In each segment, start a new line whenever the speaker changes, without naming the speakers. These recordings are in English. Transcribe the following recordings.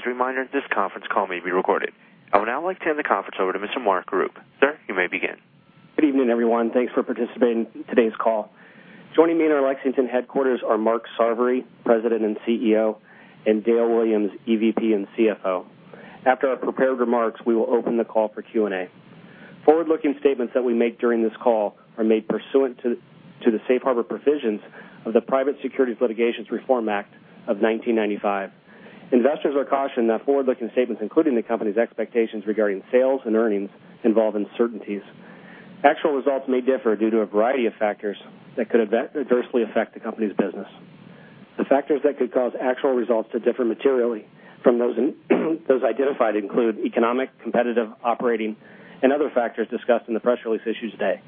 As a reminder, this conference call may be recorded. I would now like to hand the conference over to Mr. Mark Rupe. Sir, you may begin.
Good evening, everyone. Thanks for participating in today's call. Joining me in our Lexington headquarters are Mark Sarvey, President and CEO, and Dale Williams, EVP and CFO. After our prepared remarks, we will open the call for Q&A. Forward-looking statements that we make during this call are made pursuant to the safe harbor provisions of the Private Securities Litigation Reform Act of 1995. Investors are cautioned that forward-looking statements, including the company's expectations regarding sales and earnings, involve uncertainties. Actual results may differ due to a variety of factors that could adversely affect the company's business. The factors that could cause actual results to differ materially from those identified include economic, competitive, operating, and other factors discussed in the press release issued today.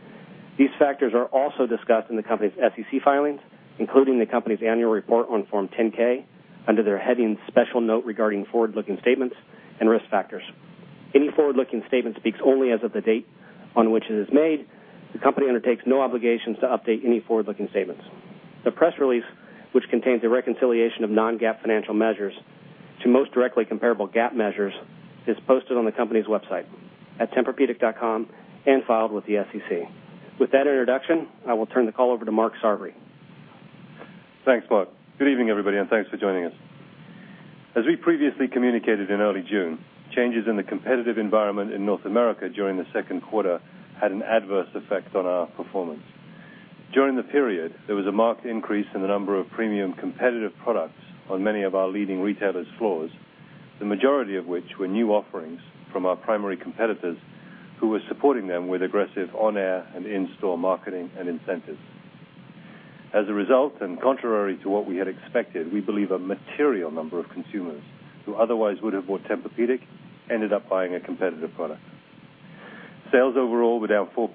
These factors are also discussed in the company's SEC filings, including the company's annual report on Form 10-K under their heading Special Note Regarding Forward-Looking Statements and Risk Factors. Any forward-looking statement speaks only as of the date on which it is made. The company undertakes no obligations to update any forward-looking statements. The press release, which contains a reconciliation of non-GAAP financial measures to most directly comparable GAAP measures, is posted on the company's website at tempurpedic.com and filed with the SEC. With that introduction, I will turn the call over to Mark Sarvey.
Thanks, Mark. Good evening, everybody, and thanks for joining us. As we previously communicated in early June, changes in the competitive environment in North America during the second quarter had an adverse effect on our performance. During the period, there was a marked increase in the number of premium competitive products on many of our leading retailers' floors, the majority of which were new offerings from our primary competitors who were supporting them with aggressive on-air and in-store marketing and incentives. As a result, and contrary to what we had expected, we believe a material number of consumers who otherwise would have bought Tempur-Pedic ended up buying a competitive product. Sales overall were down 4%.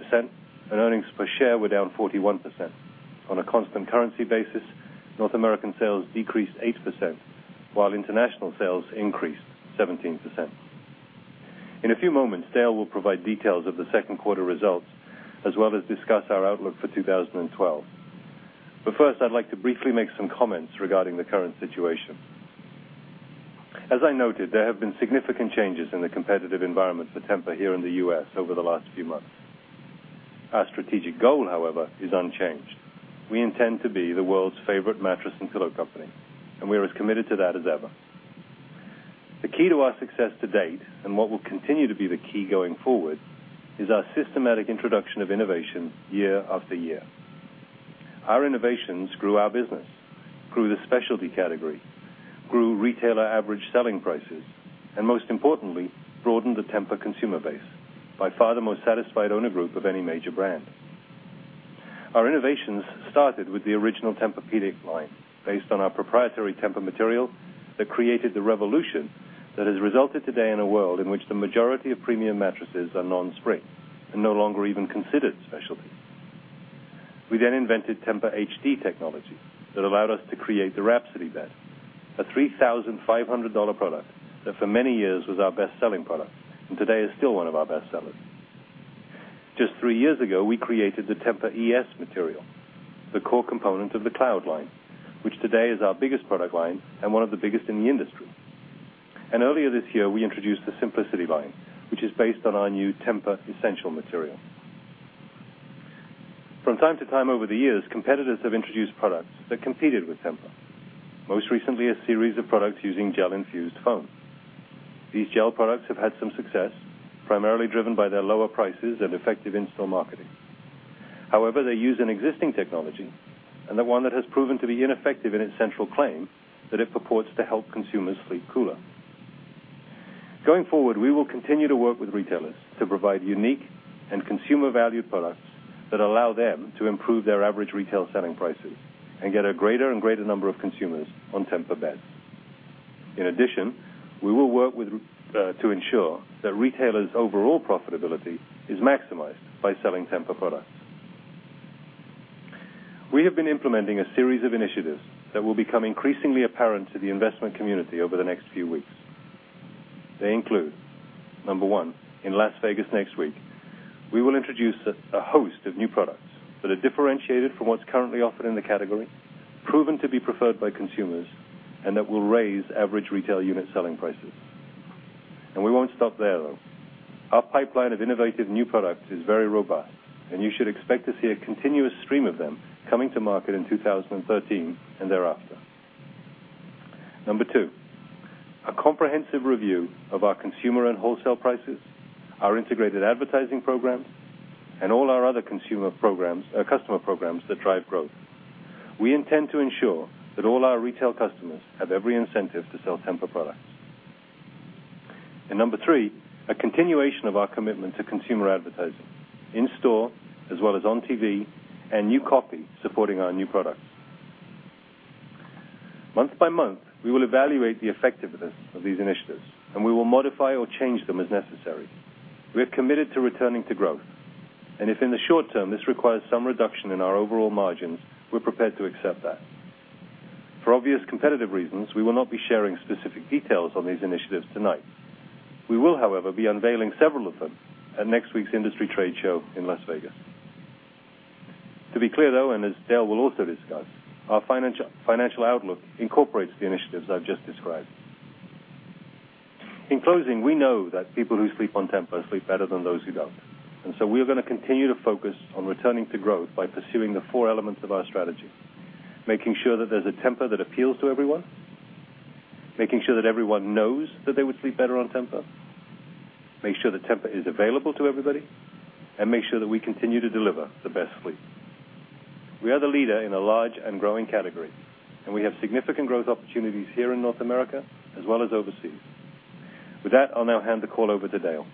Earnings per share were down 41%. On a constant currency basis, North American sales decreased 8%, while international sales increased 17%. First, in a few moments, Dale will provide details of the second quarter results, as well as discuss our outlook for 2012. As I noted, there have been significant changes in the competitive environment for Tempur here in the U.S. over the last few months. Our strategic goal, however, is unchanged. We intend to be the world's favorite mattress and pillow company, and we are as committed to that as ever. The key to our success to date, and what will continue to be the key going forward, is our systematic introduction of innovation year after year. Our innovations grew our business, grew the specialty category, grew retailer average selling prices, and most importantly, broadened the Tempur consumer base, by far the most satisfied owner group of any major brand. Our innovations started with the original Tempur-Pedic line, based on our proprietary Tempur material that created the revolution that has resulted today in a world in which the majority of premium mattresses are non-spring and no longer even considered specialty. We then invented TEMPUR-HD technology that allowed us to create the Rhapsody bed, a $3,500 product that for many years was our best-selling product, and today is still one of our best sellers. Just 3 years ago, we created the TEMPUR-ES material, the core component of the Cloud line, which today is our biggest product line and one of the biggest in the industry. Earlier this year, we introduced the TEMPUR-Simplicity line, which is based on our new TEMPUR-Essential material. From time to time over the years, competitors have introduced products that competed with Tempur, most recently a series of products using gel-infused foam. These gel products have had some success, primarily driven by their lower prices and effective in-store marketing. They use an existing technology and the one that has proven to be ineffective in its central claim that it purports to help consumers sleep cooler. Going forward, we will continue to work with retailers to provide unique and consumer value products that allow them to improve their average retail selling prices and get a greater and greater number of consumers on Tempur beds. In addition, we will work to ensure that retailers' overall profitability is maximized by selling Tempur products. We have been implementing a series of initiatives that will become increasingly apparent to the investment community over the next few weeks. They include, number one, in Las Vegas next week, we will introduce a host of new products that are differentiated from what's currently offered in the category, proven to be preferred by consumers, and that will raise average retail unit selling prices. We won't stop there, though. Our pipeline of innovative new products is very robust, and you should expect to see a continuous stream of them coming to market in 2013 and thereafter. Number two, a comprehensive review of our consumer and wholesale prices, our integrated advertising programs, and all our other customer programs that drive growth. We intend to ensure that all our retail customers have every incentive to sell Tempur products. Number three, a continuation of our commitment to consumer advertising in store as well as on TV and new copy supporting our new products. Month-by-month, we will evaluate the effectiveness of these initiatives, and we will modify or change them as necessary. We are committed to returning to growth, and if in the short term, this requires some reduction in our overall margins, we're prepared to accept that. For obvious competitive reasons, we will not be sharing specific details on these initiatives tonight. We will, however, be unveiling several of them at next week's industry trade show in Las Vegas. To be clear, though, and as Dale will also discuss, our financial outlook incorporates the initiatives I've just described. In closing, we know that people who sleep on Tempur sleep better than those who don't. We are going to continue to focus on returning to growth by pursuing the four elements of our strategy, making sure that there's a Tempur that appeals to everyone, making sure that everyone knows that they would sleep better on Tempur, make sure that Tempur is available to everybody, and make sure that we continue to deliver the best sleep. We are the leader in a large and growing category, and we have significant growth opportunities here in North America as well as overseas. With that, I'll now hand the call over to Dale.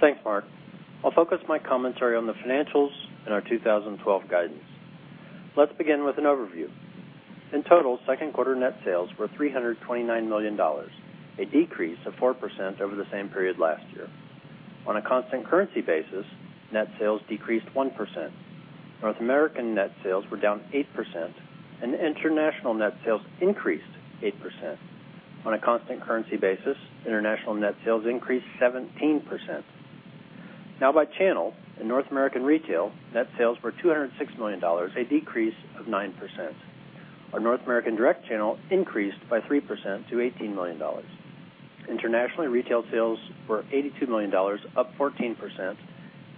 Thanks, Mark. I'll focus my commentary on the financials and our 2012 guidance. Let's begin with an overview. In total, second quarter net sales were $329 million, a decrease of 4% over the same period last year. On a constant currency basis, net sales decreased 1%. North American net sales were down 8%, and international net sales increased 8%. On a constant currency basis, international net sales increased 17%. Now by channel, in North American retail, net sales were $206 million, a decrease of 9%. Our North American direct channel increased by 3% to $18 million. Internationally, retail sales were $82 million, up 14%,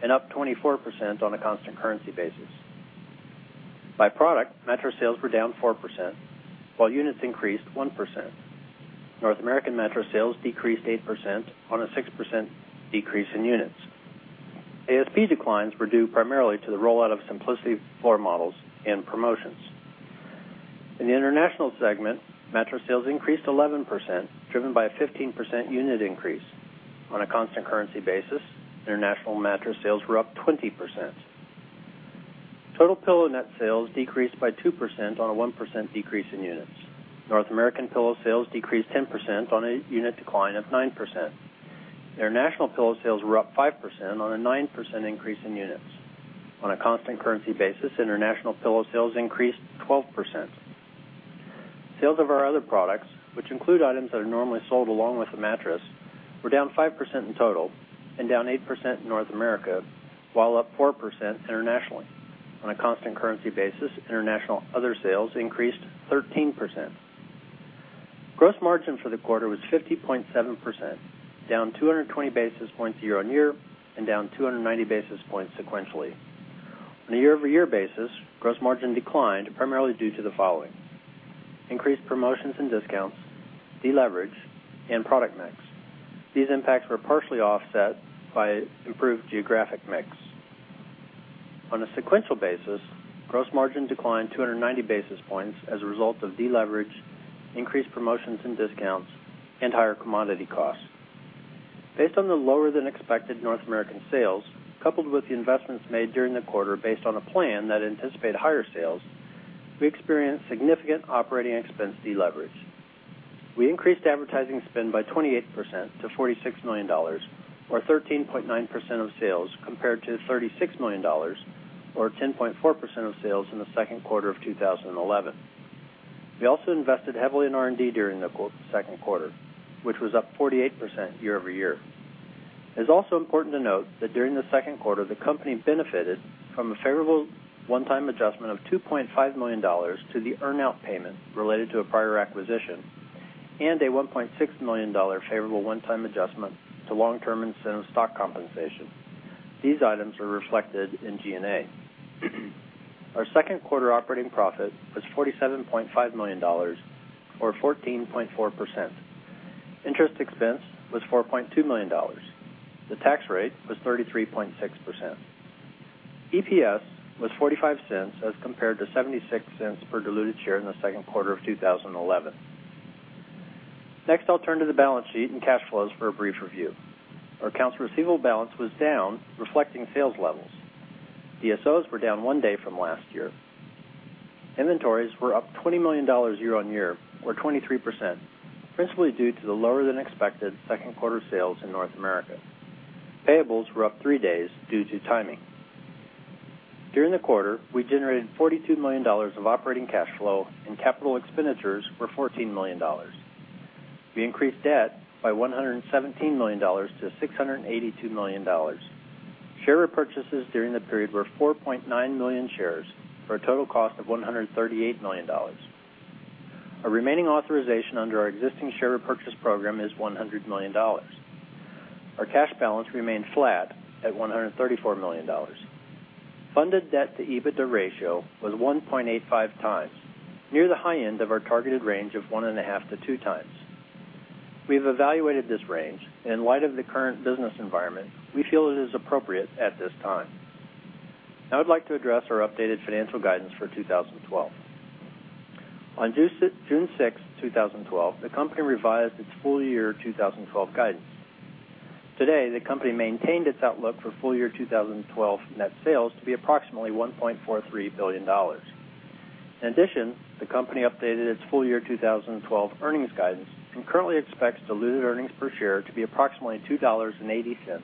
and up 24% on a constant currency basis. By product, mattress sales were down 4%, while units increased 1%. North American mattress sales decreased 8% on a 6% decrease in units. ASP declines were due primarily to the rollout of TEMPUR-Simplicity floor models and promotions. In the international segment, mattress sales increased 11%, driven by a 15% unit increase. On a constant currency basis, international mattress sales were up 20%. Total pillow net sales decreased by 2% on a 1% decrease in units. North American pillow sales decreased 10% on a unit decline of 9%. International pillow sales were up 5% on a 9% increase in units. On a constant currency basis, international pillow sales increased 12%. Sales of our other products, which include items that are normally sold along with the mattress, were down 5% in total and down 8% in North America, while up 4% internationally. On a constant currency basis, international other sales increased 13%. Gross margin for the quarter was 50.7%, down 220 basis points year-on-year and down 290 basis points sequentially. On a year-over-year basis, gross margin declined primarily due to the following: increased promotions and discounts, deleverage, and product mix. These impacts were partially offset by improved geographic mix. On a sequential basis, gross margin declined 290 basis points as a result of deleverage, increased promotions and discounts, and higher commodity costs. Based on the lower-than-expected North American sales, coupled with the investments made during the quarter based on a plan that anticipated higher sales, we experienced significant operating expense deleverage. We increased advertising spend by 28% to $46 million, or 13.9% of sales, compared to $36 million, or 10.4% of sales in the second quarter of 2011. We also invested heavily in R&D during the second quarter, which was up 48% year-over-year. It's also important to note that during the second quarter, the company benefited from a favorable one-time adjustment of $2.5 million to the earn-out payment related to a prior acquisition and a $1.6 million favorable one-time adjustment to long-term incentive stock compensation. These items are reflected in G&A. Our second quarter operating profit was $47.5 million or 14.4%. Interest expense was $4.2 million. The tax rate was 33.6%. EPS was $0.45 as compared to $0.76 per diluted share in the second quarter of 2011. Next, I'll turn to the balance sheet and cash flows for a brief review. Our accounts receivable balance was down, reflecting sales levels. DSOs were down one day from last year. Inventories were up $20 million year-on-year or 23%, principally due to the lower-than-expected second quarter sales in North America. Payables were up three days due to timing. During the quarter, we generated $42 million of operating cash flow and capital expenditures were $14 million. We increased debt by $117 million to $682 million. Share repurchases during the period were 4.9 million shares for a total cost of $138 million. Our remaining authorization under our existing share repurchase program is $100 million. Our cash balance remained flat at $134 million. Funded debt to EBITDA ratio was 1.85 times, near the high end of our targeted range of 1.5 to 2 times. We have evaluated this range, and in light of the current business environment, we feel it is appropriate at this time. Now I'd like to address our updated financial guidance for 2012. On June 6th, 2012, the company revised its full year 2012 guidance. Today, the company maintained its outlook for full year 2012 net sales to be approximately $1.43 billion. In addition, the company updated its full year 2012 earnings guidance and currently expects diluted earnings per share to be approximately $2.80,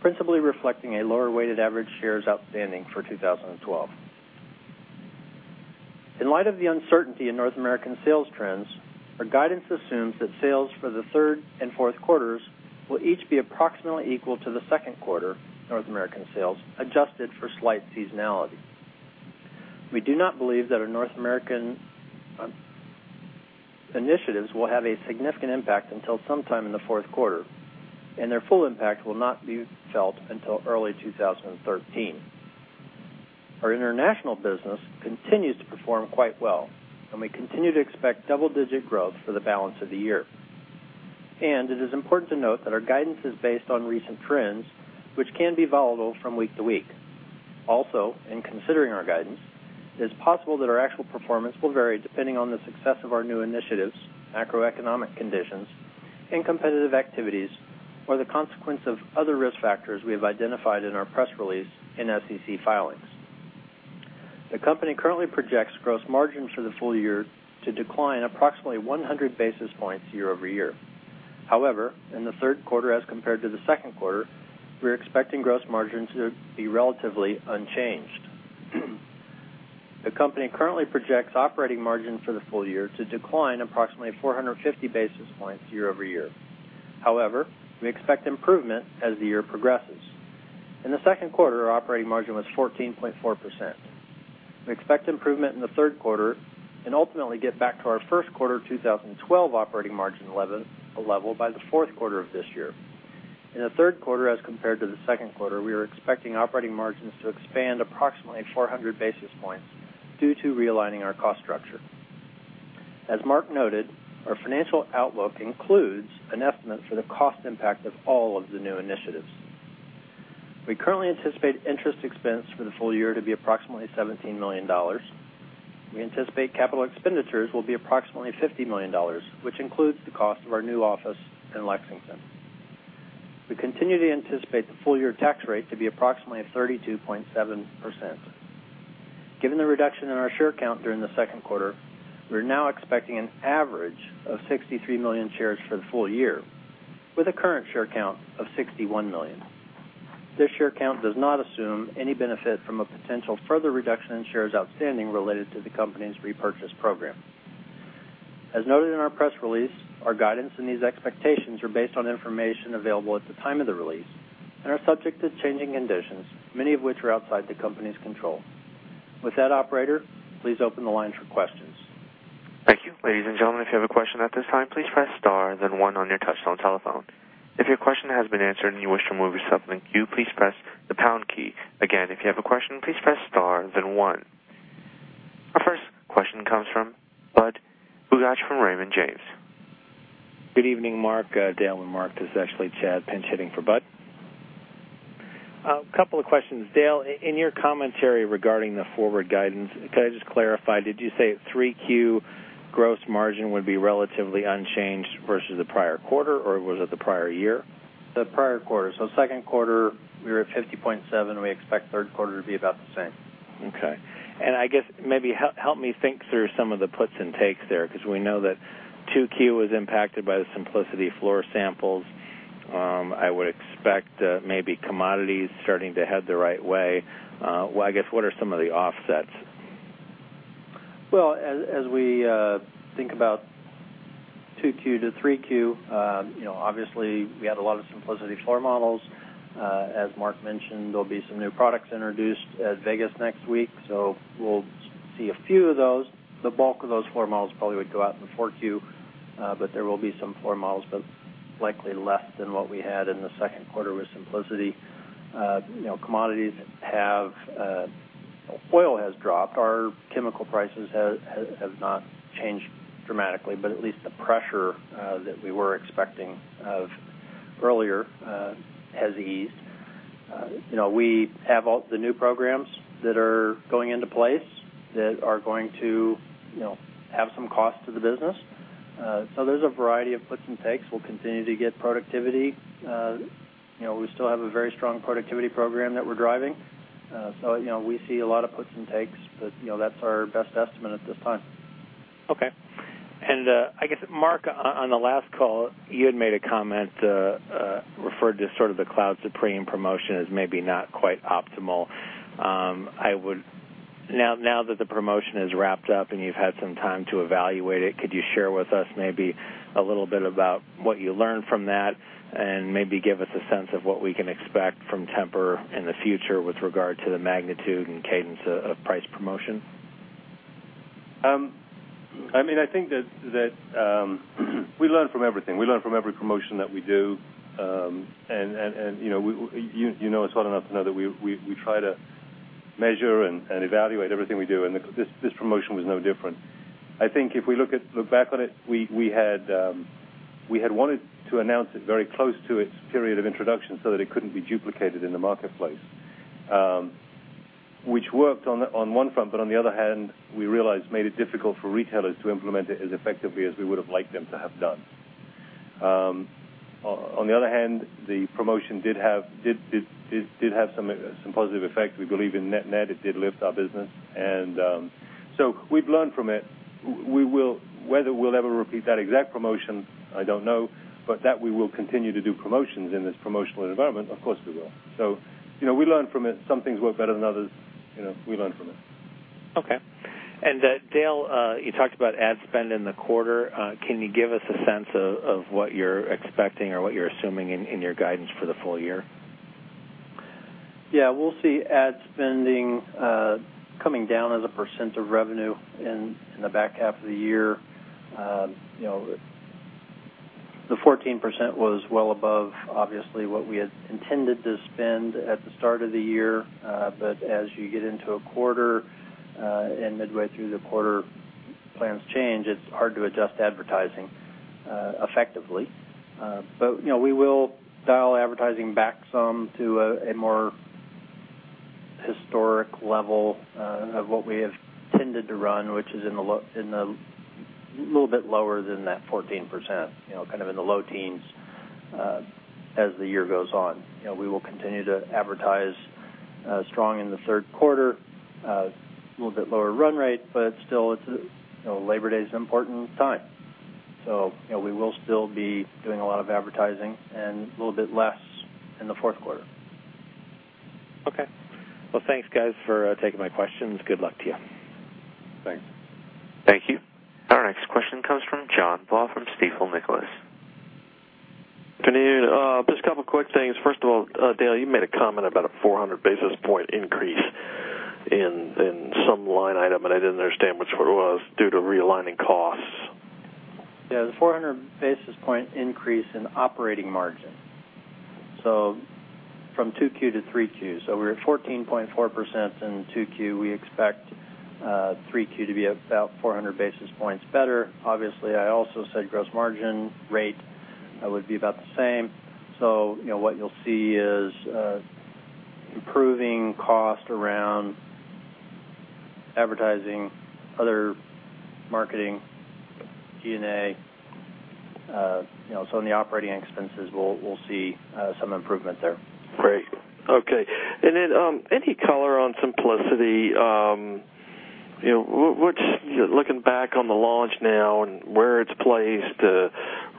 principally reflecting a lower weighted average shares outstanding for 2012. In light of the uncertainty in North American sales trends, our guidance assumes that sales for the third and fourth quarters will each be approximately equal to the second quarter North American sales, adjusted for slight seasonality. We do not believe that our North American initiatives will have a significant impact until sometime in the fourth quarter, and their full impact will not be felt until early 2013. Our international business continues to perform quite well, and we continue to expect double-digit growth for the balance of the year. It is important to note that our guidance is based on recent trends, which can be volatile from week to week. In considering our guidance, it is possible that our actual performance will vary depending on the success of our new initiatives, macroeconomic conditions, and competitive activities, or the consequence of other risk factors we have identified in our press release and SEC filings. The company currently projects gross margins for the full year to decline approximately 100 basis points year-over-year. However, in the third quarter as compared to the second quarter, we're expecting gross margins to be relatively unchanged. The company currently projects operating margin for the full year to decline approximately 450 basis points year-over-year. However, we expect improvement as the year progresses. In the second quarter, our operating margin was 14.4%. We expect improvement in the third quarter and ultimately get back to our first quarter 2012 operating margin level by the fourth quarter of this year. In the third quarter, as compared to the second quarter, we are expecting operating margins to expand approximately 400 basis points due to realigning our cost structure. As Mark noted, our financial outlook includes an estimate for the cost impact of all of the new initiatives. We currently anticipate interest expense for the full year to be approximately $17 million. We anticipate capital expenditures will be approximately $50 million, which includes the cost of our new office in Lexington. We continue to anticipate the full-year tax rate to be approximately 32.7%. Given the reduction in our share count during the second quarter, we are now expecting an average of 63 million shares for the full year, with a current share count of 61 million. This share count does not assume any benefit from a potential further reduction in shares outstanding related to the company's repurchase program. As noted in our press release, our guidance and these expectations are based on information available at the time of the release and are subject to changing conditions, many of which are outside the company's control. With that, operator, please open the line for questions.
Thank you. Ladies and gentlemen, if you have a question at this time, please press star then one on your touchtone telephone. If your question has been answered and you wish to remove yourself from the queue, please press the pound key. Again, if you have a question, please press star then one. Our first question comes from Budd Bugatch from Raymond James.
Good evening, Mark, Dale, and Mark. This is actually Chad pinch-hitting for Budd. A couple of questions. Dale, in your commentary regarding the forward guidance, could I just clarify, did you say 3Q gross margin would be relatively unchanged versus the prior quarter, or was it the prior year?
The prior quarter. Second quarter, we were at 50.7, and we expect third quarter to be about the same.
Okay. I guess maybe help me think through some of the puts and takes there, because we know that 2Q was impacted by the TEMPUR-Simplicity floor samples. I would expect maybe commodities starting to head the right way. Well, I guess, what are some of the offsets?
Well, as we think about 2Q to 3Q, obviously we had a lot of TEMPUR-Simplicity floor models. As Mark mentioned, there'll be some new products introduced at Vegas next week, so we'll see a few of those. The bulk of those floor models probably would go out in the 4Q, but there will be some floor models, but likely less than what we had in the second quarter with TEMPUR-Simplicity. Oil has dropped. Our chemical prices have not changed dramatically, but at least the pressure that we were expecting of earlier has eased. We have all the new programs that are going into place that are going to have some cost to the business. There's a variety of puts and takes. We'll continue to get productivity. We still have a very strong productivity program that we're driving. We see a lot of puts and takes, but that's our best estimate at this time.
Okay. I guess, Mark, on the last call, you had made a comment referred to sort of the Cloud Supreme promotion as maybe not quite optimal. Now that the promotion has wrapped up and you've had some time to evaluate it, could you share with us maybe a little bit about what you learned from that and maybe give us a sense of what we can expect from Tempur in the future with regard to the magnitude and cadence of price promotion?
I think that we learn from everything. We learn from every promotion that we do. You know us well enough to know that we try to measure and evaluate everything we do, and this promotion was no different. I think if we look back on it, we had wanted to announce it very close to its period of introduction so that it couldn't be duplicated in the marketplace, which worked on one front, but on the other hand, we realized made it difficult for retailers to implement it as effectively as we would've liked them to have done. On the other hand, the promotion did have some positive effect. We believe in net, it did lift our business. We've learned from it. Whether we'll ever repeat that exact promotion, I don't know. That we will continue to do promotions in this promotional environment, of course we will. We learn from it. Some things work better than others. We learn from it.
Okay. Dale, you talked about ad spend in the quarter. Can you give us a sense of what you're expecting or what you're assuming in your guidance for the full year?
Yeah, we'll see ad spending coming down as a percent of revenue in the back half of the year. The 14% was well above, obviously, what we had intended to spend at the start of the year. As you get into a quarter and midway through the quarter, plans change. It's hard to adjust advertising effectively. We will dial advertising back some to a more historic level of what we have tended to run, which is a little bit lower than that 14%, kind of in the low teens, as the year goes on. We will continue to advertise strong in the third quarter, a little bit lower run rate, but still, Labor Day is an important time. We will still be doing a lot of advertising and a little bit less in the fourth quarter.
Okay. Well, thanks guys for taking my questions. Good luck to you.
Thanks.
Thank you. Our next question comes from John Baugh from Stifel Nicolaus.
Good afternoon. Just a couple quick things. First of all, Dale, you made a comment about a 400 basis point increase in some line item. I didn't understand which it was, due to realigning costs.
Yeah. The 400 basis point increase in operating margin. From 2Q to 3Q. We're at 14.4% in 2Q. We expect 3Q to be about 400 basis points better. Obviously, I also said gross margin rate would be about the same. What you'll see is improving cost around advertising, other marketing, G&A. In the operating expenses, we'll see some improvement there.
Great. Okay. Then, any color on TEMPUR-Simplicity? Looking back on the launch now and where it's placed,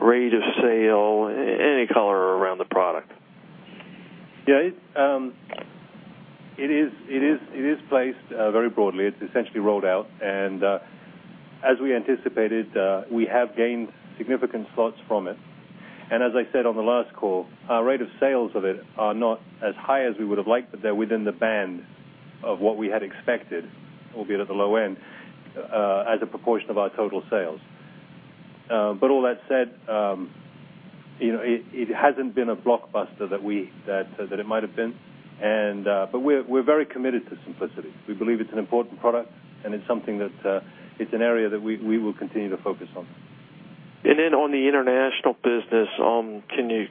rate of sale, any color around the product?
Yeah. It is placed very broadly. It's essentially rolled out. As we anticipated, we have gained significant slots from it. As I said on the last call, our rate of sales of it are not as high as we would've liked, but they're within the band of what we had expected, albeit at the low end, as a proportion of our total sales. All that said, it hasn't been a blockbuster that it might have been. We're very committed to TEMPUR-Simplicity. We believe it's an important product, and it's an area that we will continue to focus on.
On the international business, can you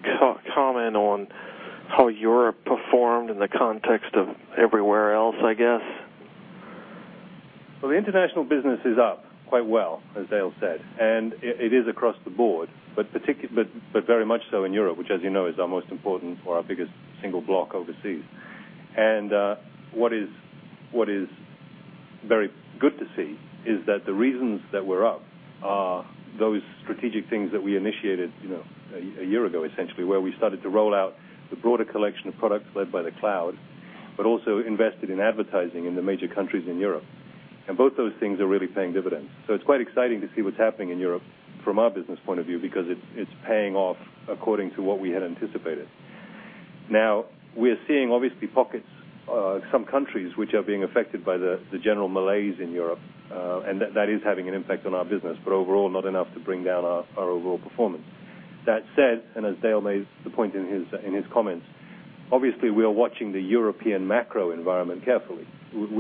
comment on how Europe performed in the context of everywhere else, I guess?
Well, the international business is up quite well, as Dale said, and it is across the board, but very much so in Europe, which as you know, is our most important or our biggest single block overseas. What is very good to see is that the reasons that we're up are those strategic things that we initiated a year ago, essentially, where we started to roll out the broader collection of products led by the Cloud, but also invested in advertising in the major countries in Europe. Both those things are really paying dividends. It's quite exciting to see what's happening in Europe from our business point of view, because it's paying off according to what we had anticipated. Now, we are seeing obviously pockets, some countries which are being affected by the general malaise in Europe, and that is having an impact on our business, but overall, not enough to bring down our overall performance. That said, and as Dale made the point in his comments, obviously we are watching the European macro environment carefully. In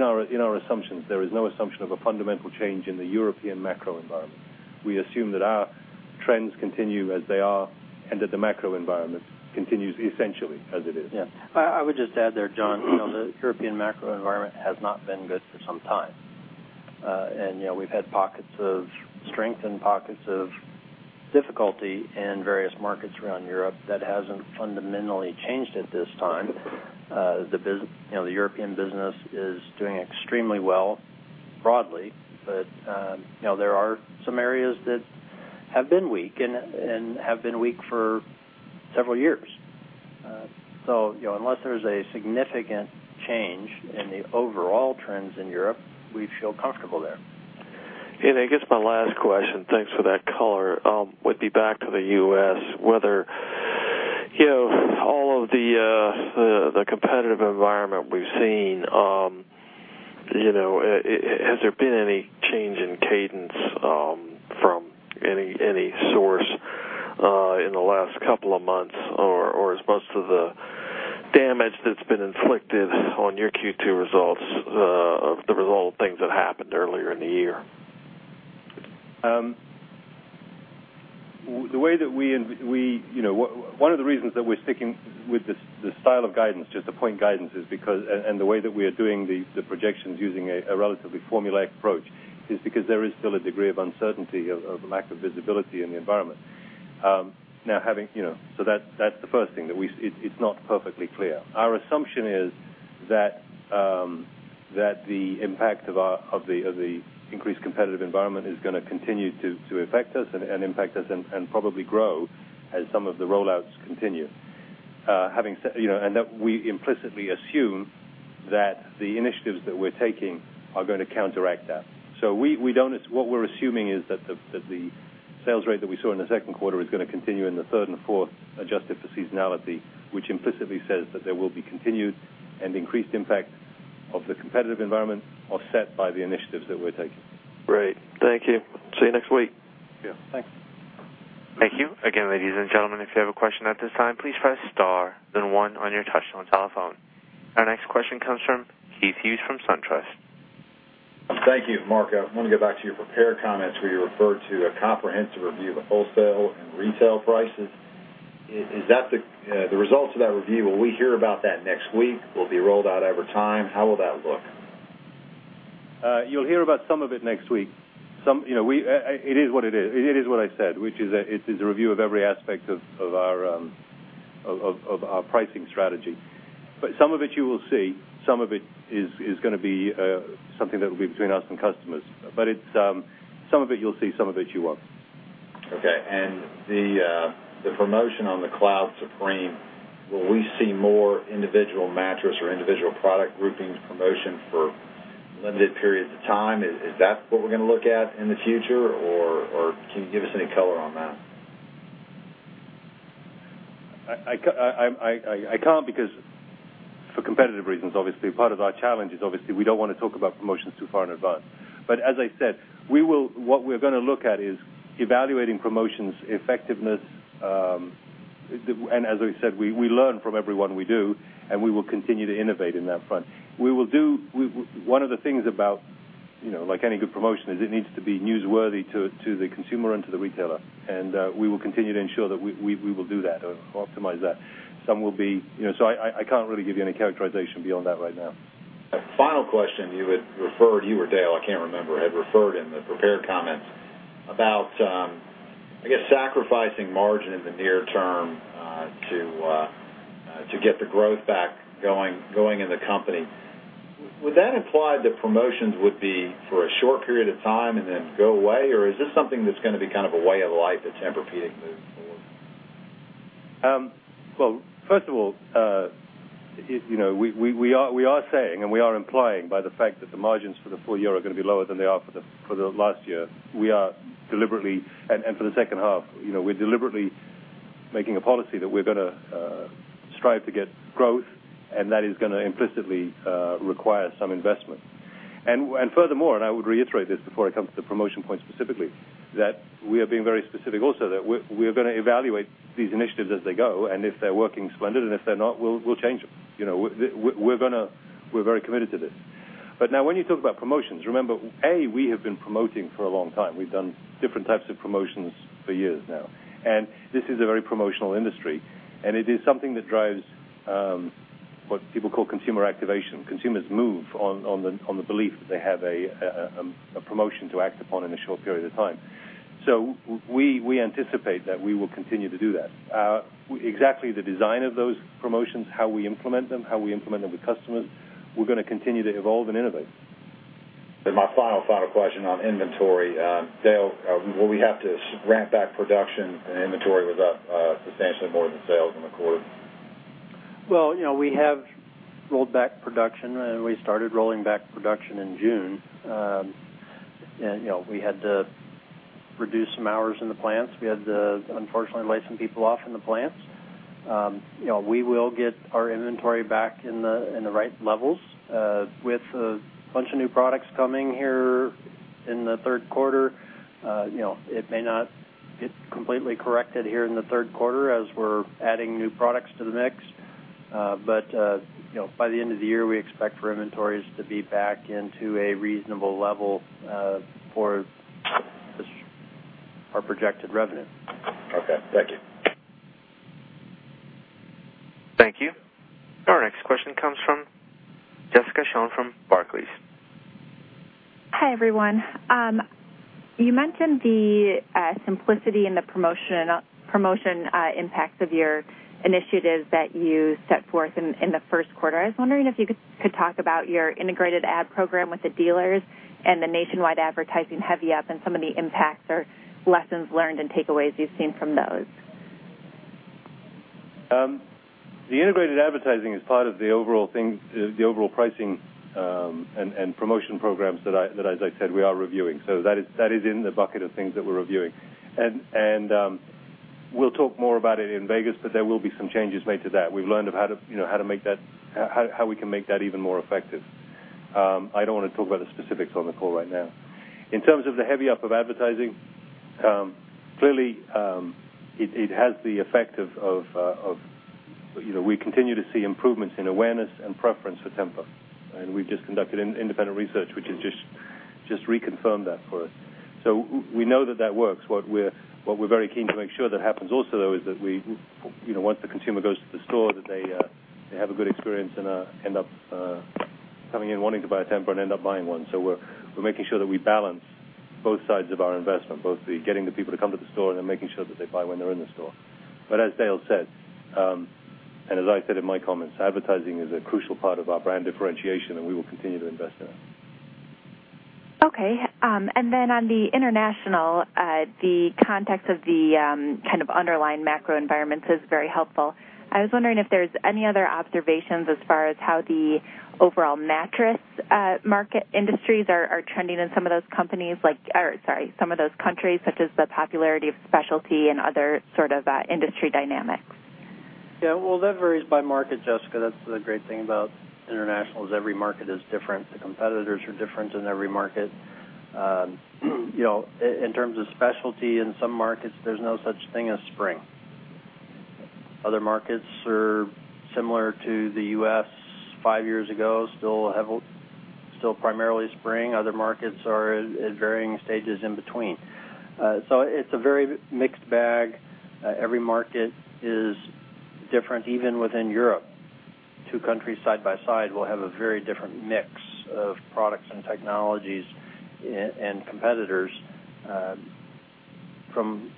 our assumptions, there is no assumption of a fundamental change in the European macro environment. We assume that our trends continue as they are and that the macro environment continues essentially as it is.
Yeah. I would just add there, John, the European macro environment has not been good for some time. We've had pockets of strength and pockets of difficulty in various markets around Europe. That hasn't fundamentally changed at this time. The European business is doing extremely well broadly, but there are some areas that have been weak and have been weak for several years. Unless there's a significant change in the overall trends in Europe, we feel comfortable there.
I guess my last question, thanks for that color, would be back to the U.S., whether all of the competitive environment we've seen, has there been any change in cadence from any source in the last couple of months, or is most of the damage that's been inflicted on your Q2 results the result of things that happened earlier in the year?
One of the reasons that we're sticking with this style of guidance, just the point guidance, and the way that we are doing the projections using a relatively formulaic approach, is because there is still a degree of uncertainty, of a lack of visibility in the environment. That's the first thing, that it's not perfectly clear. Our assumption is that the impact of the increased competitive environment is going to continue to affect us and impact us and probably grow as some of the rollouts continue. That we implicitly assume that the initiatives that we're taking are going to counteract that. What we're assuming is that the sales rate that we saw in the second quarter is going to continue in the third and fourth, adjusted for seasonality, which implicitly says that there will be continued and increased impact of the competitive environment offset by the initiatives that we're taking.
Great. Thank you. See you next week.
Yeah. Thanks.
Thank you. Again, ladies and gentlemen, if you have a question at this time, please press star then one on your touch-tone telephone. Our next question comes from Keith Hughes from SunTrust.
Thank you, Mark. I want to go back to your prepared comments where you referred to a comprehensive review of wholesale and retail prices. The results of that review, will we hear about that next week, will it be rolled out over time? How will that look?
You'll hear about some of it next week. It is what it is. It is what I said, which is that it's a review of every aspect of our pricing strategy. Some of it you will see, some of it is going to be something that will be between us and customers. Some of it you'll see, some of it you won't.
The promotion on the Cloud Supreme, will we see more individual mattress or individual product groupings promotion for limited periods of time? Is that what we're going to look at in the future, or can you give us any color on that?
I can't because for competitive reasons, obviously. Part of our challenge is obviously we don't want to talk about promotions too far in advance. As I said, what we're going to look at is evaluating promotions' effectiveness. As I said, we learn from every one we do, and we will continue to innovate in that front. One of the things about any good promotion is it needs to be newsworthy to the consumer and to the retailer, and we will continue to ensure that we will do that or optimize that. I can't really give you any characterization beyond that right now.
Final question. You had referred, you or Dale, I can't remember, had referred in the prepared comments about, I guess, sacrificing margin in the near term to get the growth back going in the company. Would that imply that promotions would be for a short period of time and then go away, or is this something that's going to be kind of a way of life that Tempur-Pedic moves forward?
Well, first of all, we are saying and we are implying by the fact that the margins for the full year are going to be lower than they are for the last year, and for the second half, we're deliberately making a policy that we're going to strive to get growth, and that is going to implicitly require some investment. Furthermore, I would reiterate this before I come to the promotion point specifically, that we are being very specific also that we're going to evaluate these initiatives as they go, and if they're working splendid, and if they're not, we'll change them. We're very committed to this. Now when you talk about promotions, remember, A, we have been promoting for a long time. We've done different types of promotions for years now. This is a very promotional industry. It is something that drives what people call consumer activation. Consumers move on the belief that they have a promotion to act upon in a short period of time. We anticipate that we will continue to do that. Exactly the design of those promotions, how we implement them, how we implement them with customers, we're going to continue to evolve and innovate.
My final question on inventory. Dale, will we have to ramp back production and inventory was up substantially more than sales in the quarter?
We have rolled back production. We started rolling back production in June. We had to reduce some hours in the plants. We had to, unfortunately, lay some people off in the plants. We will get our inventory back in the right levels. With a bunch of new products coming here in the third quarter it may not get completely corrected here in the third quarter as we're adding new products to the mix. By the end of the year, we expect for inventories to be back into a reasonable level for our projected revenue.
Okay. Thank you.
Thank you. Our next question comes from Jessica Shawn from Barclays.
Hi, everyone. You mentioned the simplicity in the promotion impacts of your initiatives that you set forth in the first quarter. I was wondering if you could talk about your integrated ad program with the dealers and the nationwide advertising heavy-up and some of the impacts or lessons learned and takeaways you've seen from those.
The integrated advertising is part of the overall pricing and promotion programs that, as I said, we are reviewing. That is in the bucket of things that we're reviewing. We'll talk more about it in Vegas, but there will be some changes made to that. We've learned of how we can make that even more effective. I don't want to talk about the specifics on the call right now. In terms of the heavy-up of advertising, clearly, it has the effect of we continue to see improvements in awareness and preference for Tempur. We've just conducted independent research, which has just reconfirmed that for us. We know that that works. What we're very keen to make sure that happens also, though, is that once the consumer goes to the store, that they have a good experience and end up coming in wanting to buy a Tempur and end up buying one. We're making sure that we balance both sides of our investment, both the getting the people to come to the store and then making sure that they buy when they're in the store. As Dale said, and as I said in my comments, advertising is a crucial part of our brand differentiation, and we will continue to invest in it.
Okay. On the international, the context of the kind of underlying macro environments is very helpful. I was wondering if there's any other observations as far as how the overall mattress market industries are trending in some of those countries, such as the popularity of specialty and other sort of industry dynamics.
Yeah. Well, that varies by market, Jessica. That's the great thing about international, is every market is different. The competitors are different in every market. In terms of specialty, in some markets, there's no such thing as spring. Other markets are similar to the U.S. five years ago, still primarily spring. Other markets are at varying stages in between. It's a very mixed bag. Every market is different, even within Europe. Two countries side by side will have a very different mix of products and technologies and competitors from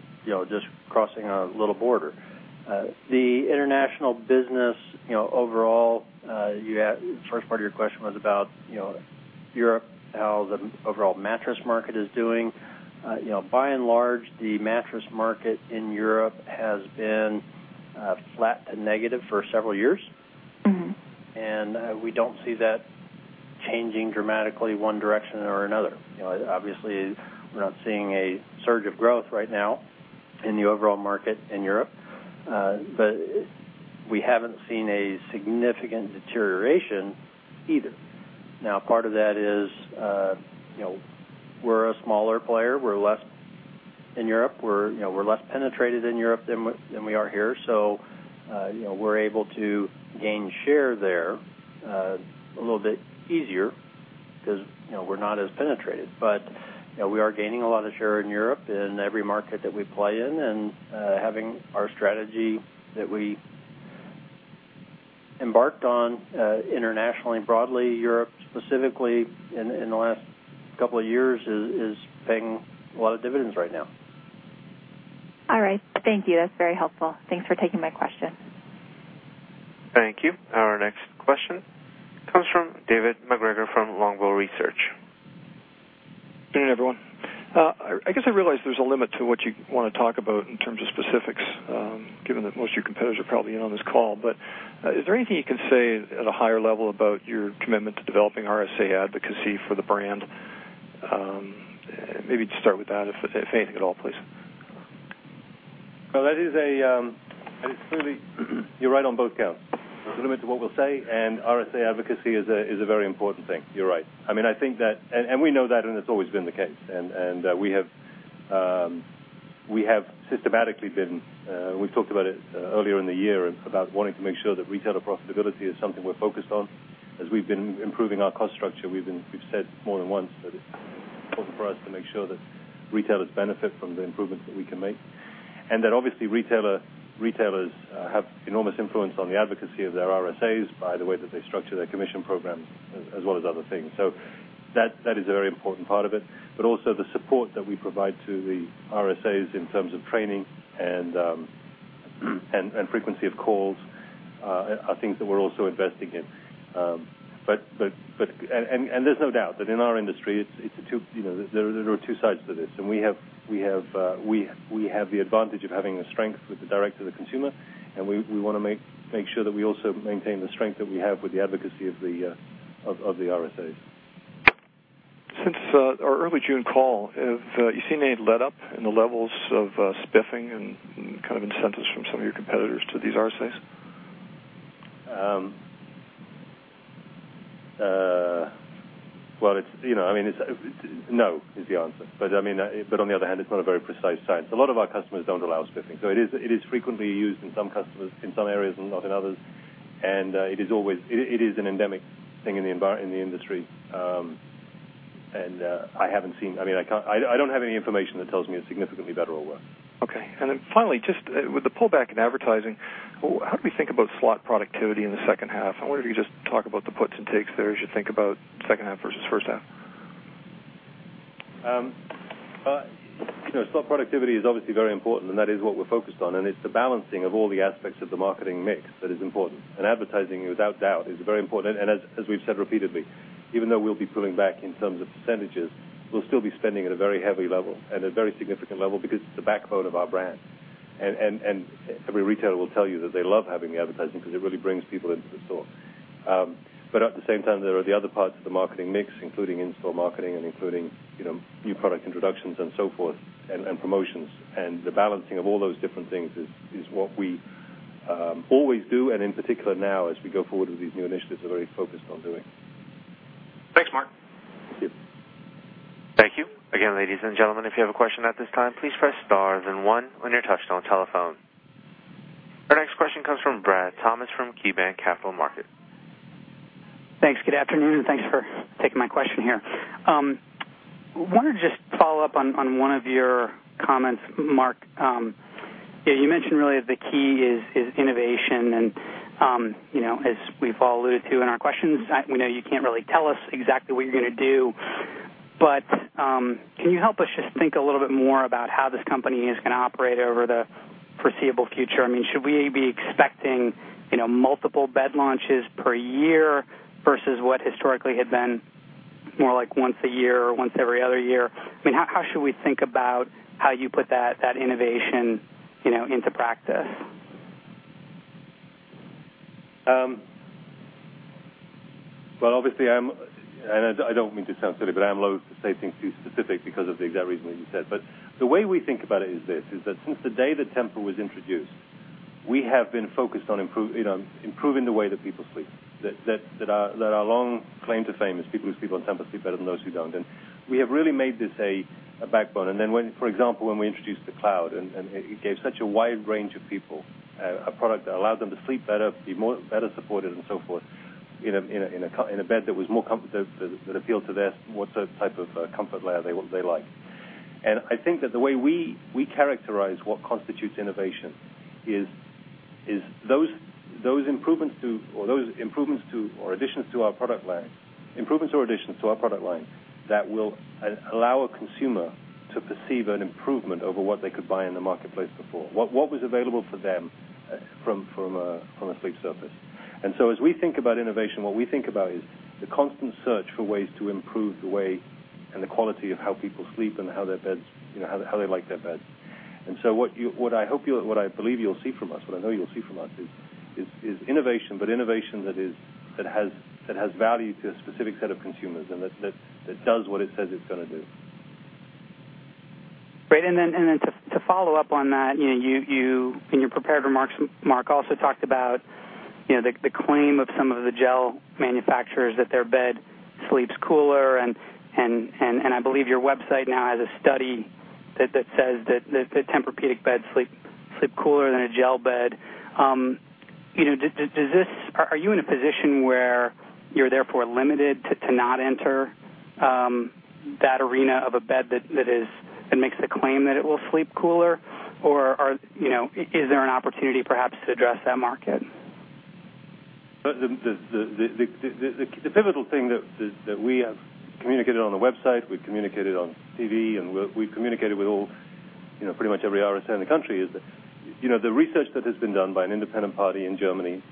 just crossing a little border. The international business overall, the first part of your question was about Europe, how the overall mattress market is doing. By and large, the mattress market in Europe has been flat to negative for several years. We don't see that changing dramatically one direction or another. Obviously, we're not seeing a surge of growth right now in the overall market in Europe. We haven't seen a significant deterioration either. Now, part of that is we're a smaller player. We're less in Europe. We're less penetrated in Europe than we are here. We're able to gain share there a little bit easier because we're not as penetrated. We are gaining a lot of share in Europe in every market that we play in. Having our strategy that we embarked on internationally and broadly Europe specifically in the last couple of years is paying a lot of dividends right now.
All right. Thank you. That's very helpful. Thanks for taking my question.
Thank you. Our next question comes from David MacGregor from Longbow Research.
Good day, everyone. I guess I realize there's a limit to what you want to talk about in terms of specifics, given that most of your competitors are probably in on this call. Is there anything you can say at a higher level about your commitment to developing RSA advocacy for the brand? Maybe just start with that, if anything at all, please.
You're right on both counts. There's a limit to what we'll say, and RSA advocacy is a very important thing. You're right. We know that, and it's always been the case. We talked about it earlier in the year, about wanting to make sure that retailer profitability is something we're focused on. As we've been improving our cost structure, we've said more than once that it's important for us to make sure that retailers benefit from the improvements that we can make. That obviously, retailers have enormous influence on the advocacy of their RSAs by the way that they structure their commission programs, as well as other things. That is a very important part of it. Also the support that we provide to the RSAs in terms of training and frequency of calls are things that we're also investing in. There's no doubt that in our industry, there are two sides to this. We have the advantage of having the strength with the direct to the consumer, and we want to make sure that we also maintain the strength that we have with the advocacy of the RSAs.
Since our early June call, have you seen any letup in the levels of spiffing and kind of incentives from some of your competitors to these RSAs?
No, is the answer. On the other hand, it's not a very precise science. A lot of our customers don't allow spiffing. It is frequently used in some customers, in some areas and not in others. It is an endemic thing in the industry. I don't have any information that tells me it's significantly better or worse.
Okay. Finally, just with the pullback in advertising, how do we think about slot productivity in the second half? I wonder if you could just talk about the puts and takes there as you think about second half versus first half.
Slot productivity is obviously very important, and that is what we're focused on, and it's the balancing of all the aspects of the marketing mix that is important. Advertising, without doubt, is very important. As we've said repeatedly, even though we'll be pulling back in terms of percentages, we'll still be spending at a very heavy level and a very significant level because it's the backbone of our brand. Every retailer will tell you that they love having the advertising because it really brings people into the store. At the same time, there are the other parts of the marketing mix, including in-store marketing and including new product introductions and so forth, and promotions. The balancing of all those different things is what we always do, and in particular now as we go forward with these new initiatives, we're very focused on doing.
Thanks, Mark.
Thank you.
Thank you. Again, ladies and gentlemen, if you have a question at this time, please press star then one on your touchtone telephone. Our next question comes from Bradley Thomas from KeyBanc Capital Markets.
Thanks. Good afternoon. Thanks for taking my question here. Wanted to just follow up on one of your comments, Mark. You mentioned really the key is innovation. As we've all alluded to in our questions, we know you can't really tell us exactly what you're going to do. Can you help us just think a little bit more about how this company is going to operate over the foreseeable future. Should we be expecting multiple bed launches per year versus what historically had been more like once a year or once every other year? How should we think about how you put that innovation into practice?
Obviously, I don't mean to sound silly, but I'm loath to say things too specific because of the exact reason that you said. The way we think about it is this, is that since the day that Tempur was introduced, we have been focused on improving the way that people sleep. Our long claim to fame is people who sleep on Tempur sleep better than those who don't. We have really made this a backbone. When, for example, when we introduced the Cloud, and it gave such a wide range of people a product that allowed them to sleep better, be better supported and so forth, in a bed that was more comfortable, that appealed to their type of comfort layer they like. I think that the way we characterize what constitutes innovation is those improvements to or additions to our product line that will allow a consumer to perceive an improvement over what they could buy in the marketplace before. What was available for them from a sleep surface. As we think about innovation, what we think about is the constant search for ways to improve the way and the quality of how people sleep and how they like their beds. What I believe you'll see from us, what I know you'll see from us is innovation, but innovation that has value to a specific set of consumers and that does what it says it's going to do.
Great. To follow up on that, in your prepared remarks, Mark also talked about the claim of some of the gel manufacturers that their bed sleeps cooler. I believe your website now has a study that says that the Tempur-Pedic bed sleep cooler than a gel bed. Are you in a position where you're therefore limited to not enter that arena of a bed that makes the claim that it will sleep cooler? Or is there an opportunity perhaps to address that market?
The pivotal thing that we have communicated on the website, we've communicated on TV, and we've communicated with all, pretty much every RSA in the country, is that the research that has been done by an independent party in Germany,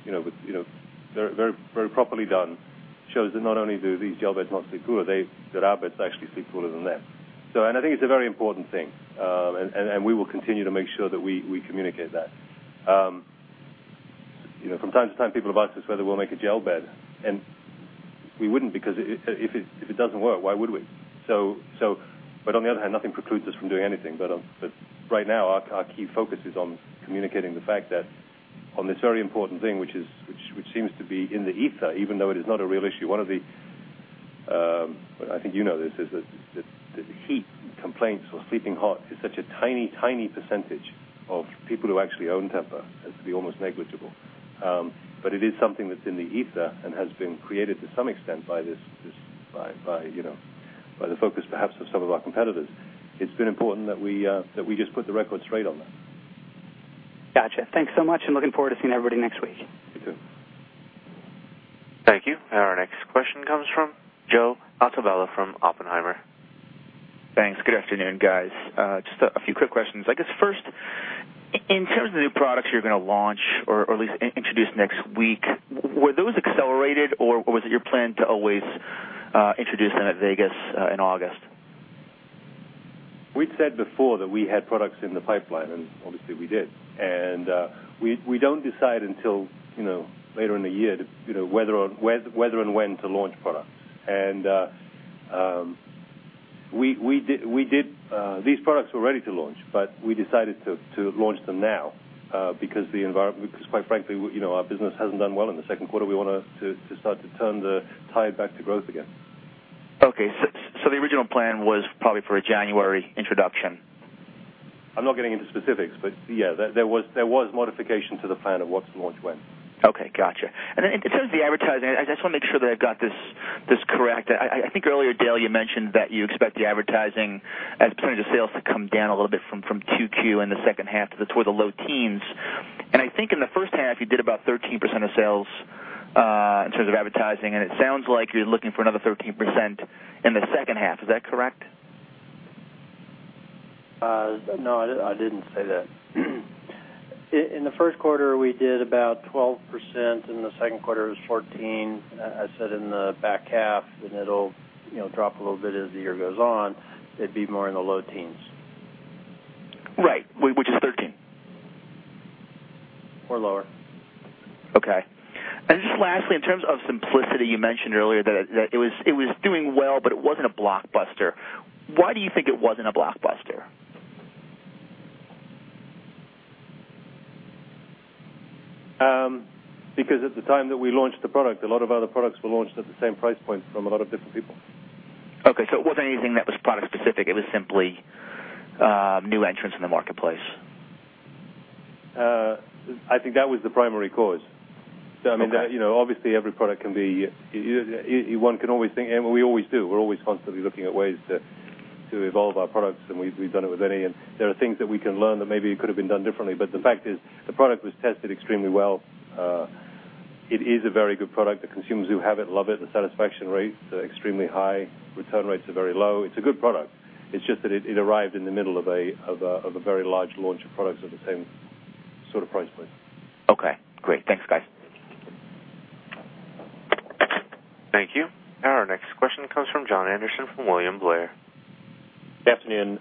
very properly done, shows that not only do these gel beds not sleep cooler, that our beds actually sleep cooler than theirs. I think it's a very important thing. We will continue to make sure that we communicate that. From time to time, people have asked us whether we'll make a gel bed, and we wouldn't because if it doesn't work, why would we? On the other hand, nothing precludes us from doing anything. Right now, our key focus is on communicating the fact that on this very important thing, which seems to be in the ether, even though it is not a real issue. One of the, I think you know this, is that the heat complaints or sleeping hot is such a tiny percentage of people who actually own Tempur as to be almost negligible. It is something that's in the ether and has been created to some extent by the focus, perhaps of some of our competitors. It's been important that we just put the record straight on that.
Got you. Thanks so much, and looking forward to seeing everybody next week.
You too.
Thank you. Our next question comes from Joe Ottavello from Oppenheimer.
Thanks. Good afternoon, guys. Just a few quick questions. I guess first, in terms of the new products you're going to launch or at least introduce next week, were those accelerated or was it your plan to always introduce them at Vegas in August?
We'd said before that we had products in the pipeline, obviously, we did. We don't decide until later in the year whether and when to launch products. These products were ready to launch, we decided to launch them now because quite frankly our business hasn't done well in the second quarter. We want to start to turn the tide back to growth again.
Okay. The original plan was probably for a January introduction?
I'm not getting into specifics, but yeah, there was modifications to the plan of what to launch when.
Okay. Got you. In terms of the advertising, I just want to make sure that I've got this correct. I think earlier, Dale, you mentioned that you expect the advertising as a percentage of sales to come down a little bit from 2Q in the second half to toward the low teens. I think in the first half, you did about 13% of sales in terms of advertising, and it sounds like you're looking for another 13% in the second half. Is that correct?
No, I didn't say that. In the first quarter, we did about 12%, in the second quarter, it was 14%. I said in the back half, it'll drop a little bit as the year goes on. It'd be more in the low teens.
Right. Which is 13%.
lower.
Okay. Just lastly, in terms of TEMPUR-Simplicity, you mentioned earlier that it was doing well, but it wasn't a blockbuster. Why do you think it wasn't a blockbuster?
At the time that we launched the product, a lot of other products were launched at the same price point from a lot of different people.
Okay. It wasn't anything that was product specific. It was simply new entrants in the marketplace.
I think that was the primary cause.
Okay.
I mean, obviously one can always think, and we always do. We're always constantly looking at ways to evolve our products. We've done it with any. There are things that we can learn that maybe could have been done differently. The fact is, the product was tested extremely well. It is a very good product. The consumers who have it love it. The satisfaction rates are extremely high. Return rates are very low. It's a good product. It's just that it arrived in the middle of a very large launch of products at the same sort of price point.
Okay, great. Thanks, guys.
Thank you. Our next question comes from John Anderson from William Blair.
Good afternoon.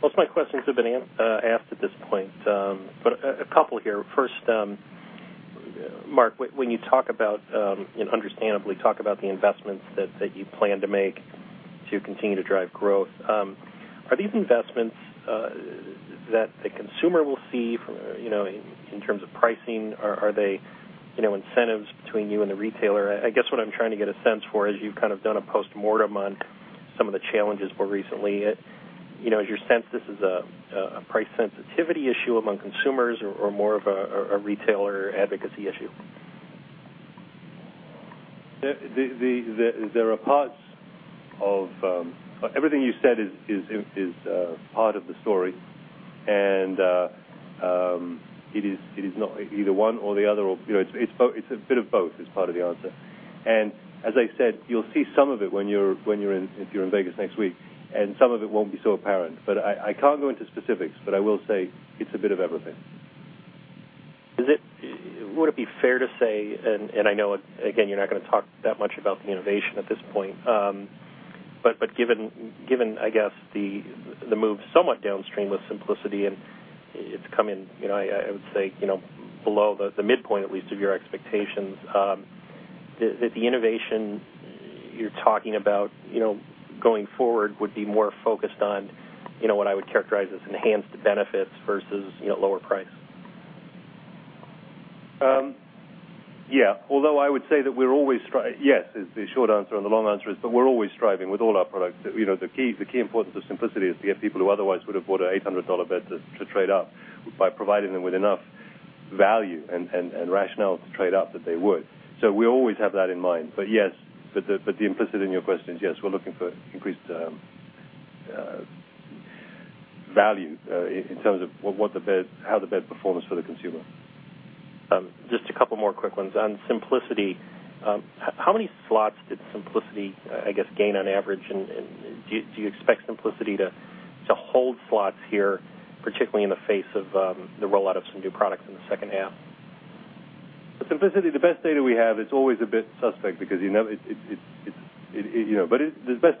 Most of my questions have been asked at this point. A couple here. First, Mark, when you understandably talk about the investments that you plan to make to continue to drive growth, are these investments that the consumer will see in terms of pricing? Are they incentives between you and the retailer? I guess what I'm trying to get a sense for is you've kind of done a postmortem on some of the challenges more recently. Is your sense this is a price sensitivity issue among consumers or more of a retailer advocacy issue?
Everything you said is part of the story. It is not either one or the other. It's a bit of both, is part of the answer. As I said, you'll see some of it if you're in Vegas next week, and some of it won't be so apparent. I can't go into specifics, but I will say it's a bit of everything.
Would it be fair to say, and I know, again, you're not going to talk that much about the innovation at this point, given, I guess, the move somewhat downstream with TEMPUR-Simplicity, and it's come in, I would say, below the midpoint, at least, of your expectations, that the innovation you're talking about going forward would be more focused on what I would characterize as enhanced benefits versus lower price?
Yes. Although I would say that Yes is the short answer, and the long answer is that we're always striving with all our products. The key importance of TEMPUR-Simplicity is to get people who otherwise would have bought an $800 bed to trade up by providing them with enough value and rationale to trade up that they would. We always have that in mind. Yes. The implicit in your question is yes, we're looking for increased value in terms of how the bed performs for the consumer.
Just a couple more quick ones. On TEMPUR-Simplicity, how many slots did TEMPUR-Simplicity, I guess, gain on average? Do you expect TEMPUR-Simplicity to hold slots here, particularly in the face of the rollout of some new products in the second half?
The TEMPUR-Simplicity, the best data we have, it's always a bit suspect, the best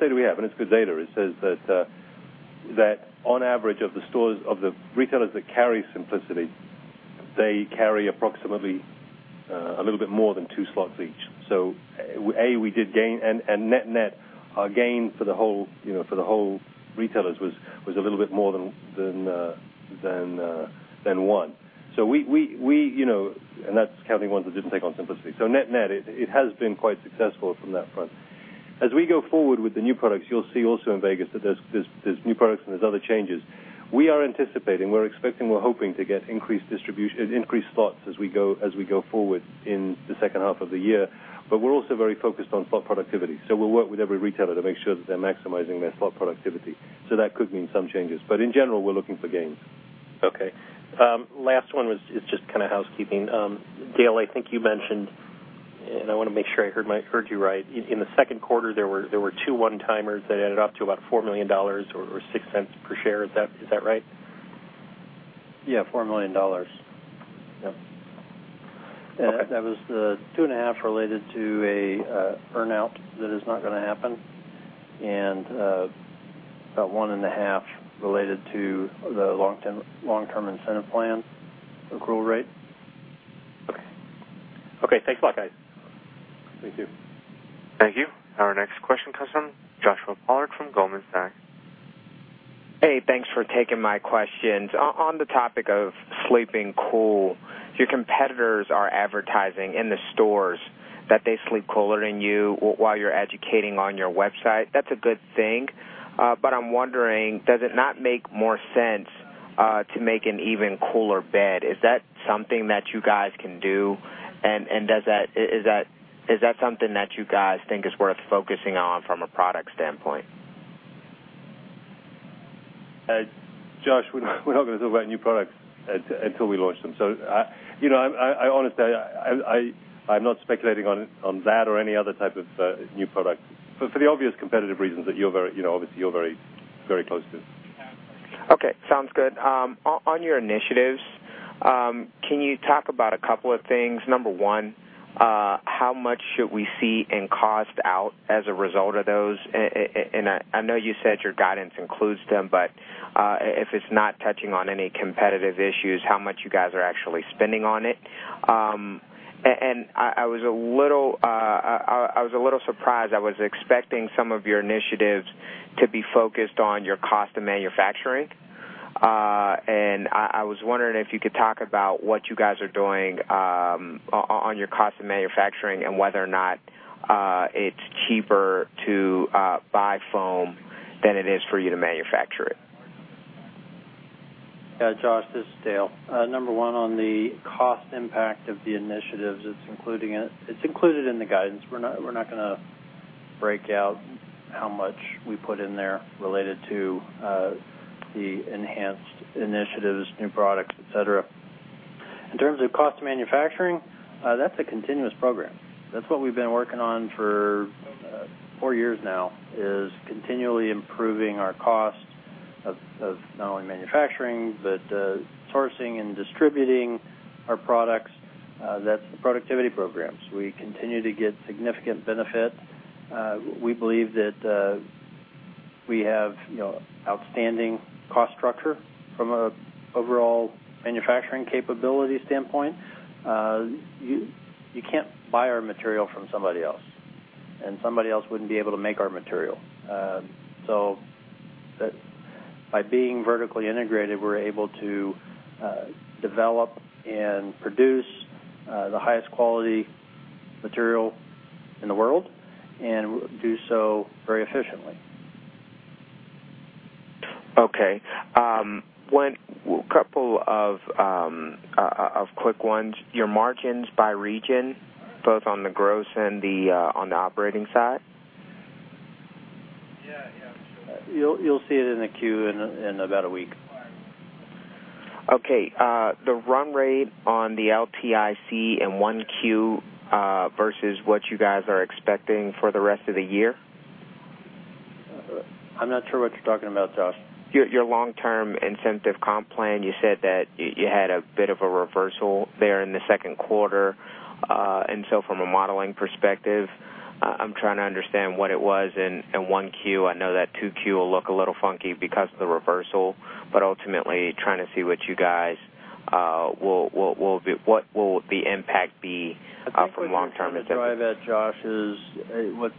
data we have, and it's good data, it says that on average of the retailers that carry TEMPUR-Simplicity, they carry approximately a little bit more than two slots each. A, we did gain, net-net, our gain for the whole retailers was a little bit more than one. That's counting ones that didn't take on TEMPUR-Simplicity. Net-net, it has been quite successful from that front. As we go forward with the new products, you'll see also in Vegas that there's new products and there's other changes. We are anticipating, we're expecting, we're hoping to get increased slots as we go forward in the second half of the year. We're also very focused on slot productivity. We'll work with every retailer to make sure that they're maximizing their slot productivity. That could mean some changes. In general, we're looking for gains.
Okay. Last one is just kind of housekeeping. Dale, I think you mentioned, I want to make sure I heard you right. In the second quarter, there were two one-timers that added up to about $4 million or $0.06 per share. Is that right?
Yes, $4 million. Yep.
Okay.
That was the two and a half related to a earn-out that is not going to happen, and about one and a half related to the long-term incentive plan accrual rate.
Okay. Thanks a lot, guys.
Thank you.
Thank you. Our next question comes from Joshua Pollack from Goldman Sachs.
Hey, thanks for taking my questions. On the topic of sleeping cool, your competitors are advertising in the stores that they sleep cooler than you while you're educating on your website. That's a good thing. I'm wondering, does it not make more sense to make an even cooler bed? Is that something that you guys can do? Is that something that you guys think is worth focusing on from a product standpoint?
Josh, we're not going to talk about new products until we launch them. Honestly, I'm not speculating on that or any other type of new product for the obvious competitive reasons that obviously you're very close to.
Okay, sounds good. On your initiatives, can you talk about a couple of things? Number one, how much should we see in cost out as a result of those? I know you said your guidance includes them, if it's not touching on any competitive issues, how much you guys are actually spending on it? I was a little surprised. I was expecting some of your initiatives to be focused on your cost of manufacturing. I was wondering if you could talk about what you guys are doing on your cost of manufacturing and whether or not it's cheaper to buy foam than it is for you to manufacture it.
Josh, this is Dale. Number one, on the cost impact of the initiatives, it's included in the guidance. Break out how much we put in there related to the enhanced initiatives, new products, et cetera. In terms of cost of manufacturing, that's a continuous program. That's what we've been working on for four years now, is continually improving our costs of not only manufacturing but sourcing and distributing our products. That's the productivity programs. We continue to get significant benefit. We believe that we have outstanding cost structure from an overall manufacturing capability standpoint. You can't buy our material from somebody else, and somebody else wouldn't be able to make our material. By being vertically integrated, we're able to develop and produce the highest quality material in the world, and do so very efficiently.
Okay. Couple of quick ones. Your margins by region, both on the gross and on the operating side?
Yeah, sure. You'll see it in the Q in about a week.
Okay. The run rate on the LTIC in 1Q versus what you guys are expecting for the rest of the year?
I'm not sure what you're talking about, Josh.
Your long-term incentive comp plan, you said that you had a bit of a reversal there in the second quarter. From a modeling perspective, I'm trying to understand what it was in 1Q. I know that 2Q will look a little funky because of the reversal, ultimately, trying to see what will the impact be for long term-
I think we can kind of derive at, Josh, is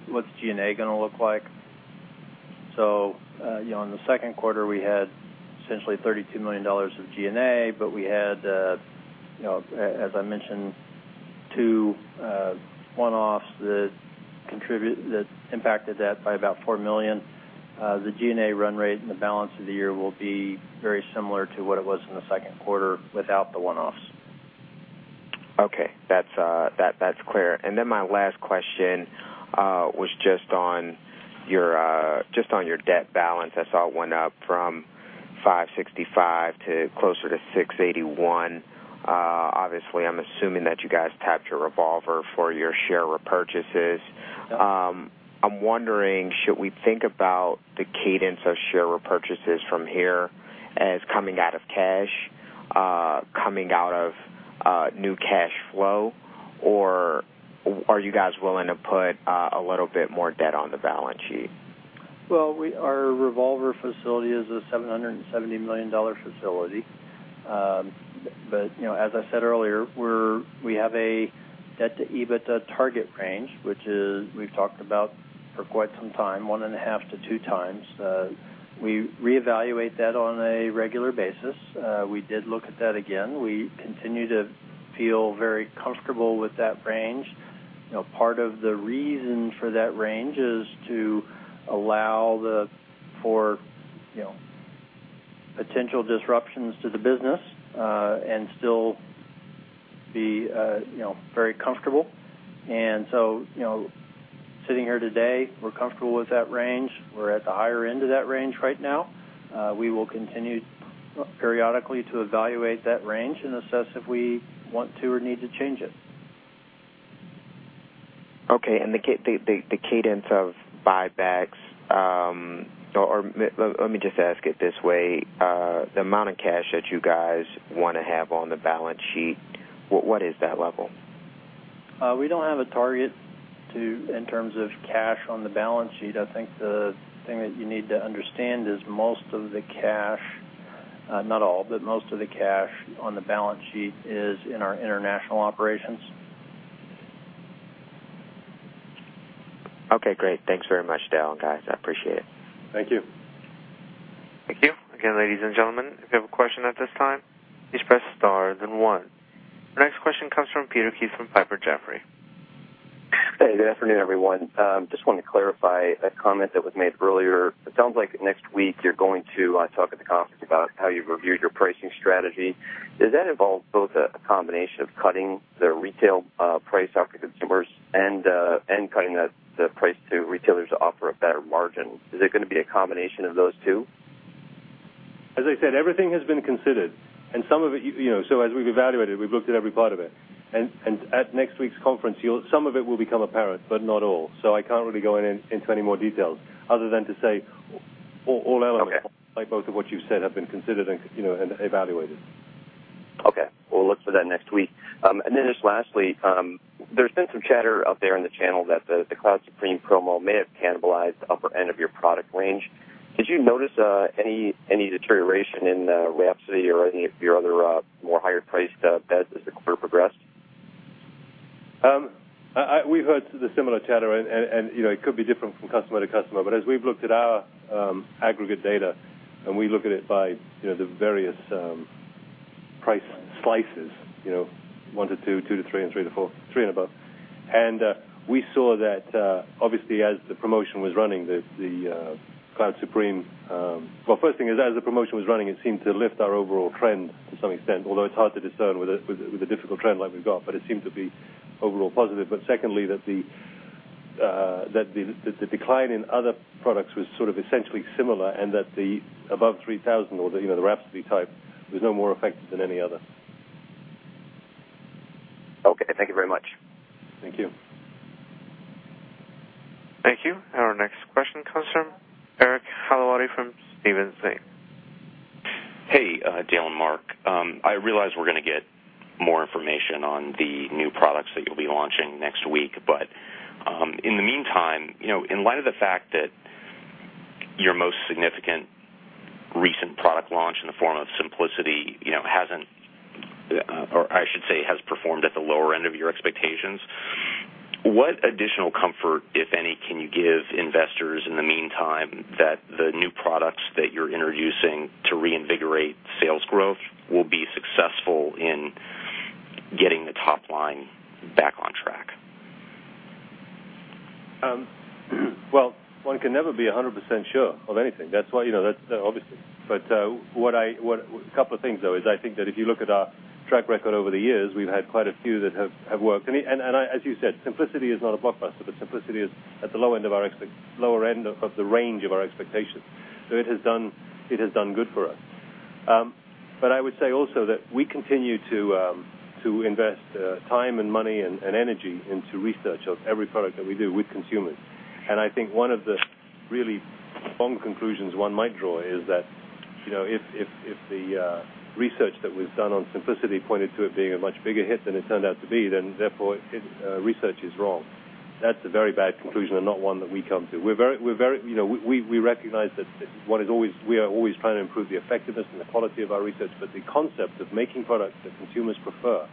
what's G&A going to look like. In the second quarter, we had essentially $32 million of G&A, we had, as I mentioned, two one-offs that impacted that by about four million. The G&A run rate and the balance of the year will be very similar to what it was in the second quarter without the one-offs.
Okay. That's clear. My last question was just on your debt balance. I saw it went up from $565 to closer to $681. Obviously, I'm assuming that you guys tapped your revolver for your share repurchases.
Yeah.
I'm wondering, should we think about the cadence of share repurchases from here as coming out of cash, coming out of new cash flow, or are you guys willing to put a little bit more debt on the balance sheet?
Our revolver facility is a $770 million facility. As I said earlier, we have a debt to EBITDA target range, which we've talked about for quite some time, 1.5-2 times. We reevaluate that on a regular basis. We did look at that again. We continue to feel very comfortable with that range. Part of the reason for that range is to allow for potential disruptions to the business, and still be very comfortable. So, sitting here today, we're comfortable with that range. We're at the higher end of that range right now. We will continue periodically to evaluate that range and assess if we want to or need to change it.
Okay. The cadence of buybacks, or let me just ask it this way. The amount of cash that you guys want to have on the balance sheet, what is that level?
We don't have a target in terms of cash on the balance sheet. I think the thing that you need to understand is most of the cash, not all, but most of the cash on the balance sheet is in our international operations.
Okay, great. Thanks very much, Dale, guys. I appreciate it.
Thank you.
Thank you. Again, ladies and gentlemen, if you have a question at this time, please press star then one. Our next question comes from Peter Keith from Piper Jaffray.
Hey, good afternoon, everyone. Just wanted to clarify a comment that was made earlier. It sounds like next week you're going to talk at the conference about how you've reviewed your pricing strategy. Does that involve both a combination of cutting the retail price out for consumers and cutting the price to retailers to offer a better margin? Is it going to be a combination of those two?
As I said, everything has been considered. As we've evaluated, we've looked at every part of it. At next week's conference, some of it will become apparent, but not all. I can't really go into any more details other than to say all elements-
Okay
like both of what you've said, have been considered and evaluated.
Okay. We'll look for that next week. Just lastly, there's been some chatter out there in the channel that the Cloud Supreme promo may have cannibalized the upper end of your product range. Did you notice any deterioration in Rhapsody or any of your other more higher priced beds as the quarter progressed?
We've heard the similar chatter, and it could be different from customer to customer. As we've looked at our aggregate data, and we look at it by the various price slices, one to two to three, and three and above. We saw that obviously as the promotion was running, the Cloud Supreme-- Well, first thing is, as the promotion was running, it seemed to lift our overall trend to some extent, although it's hard to discern with the difficult trend like we've got. It seemed to be overall positive. Secondly, that the
That the decline in other products was sort of essentially similar and that the above $3,000 or the Rhapsody type was no more effective than any other.
Okay. Thank you very much.
Thank you.
Thank you. Our next question comes from Eric Hallowatti from Stephens Inc..
Hey, Dale and Mark. I realize we're going to get more information on the new products that you'll be launching next week. In the meantime, in light of the fact that your most significant recent product launch in the form of TEMPUR-Simplicity has performed at the lower end of your expectations, what additional comfort, if any, can you give investors in the meantime that the new products that you're introducing to reinvigorate sales growth will be successful in getting the top line back on track?
Well, one can never be 100% sure of anything. That's obvious. A couple of things, though, is I think that if you look at our track record over the years, we've had quite a few that have worked. As you said, TEMPUR-Simplicity is not a blockbuster. TEMPUR-Simplicity is at the lower end of the range of our expectations. It has done good for us. I would say also that we continue to invest time and money and energy into research of every product that we do with consumers. I think one of the really wrong conclusions one might draw is that if the research that was done on TEMPUR-Simplicity pointed to it being a much bigger hit than it turned out to be, therefore, research is wrong. That's a very bad conclusion and not one that we come to. We recognize that we are always trying to improve the effectiveness and the quality of our research, the concept of making products that consumers prefer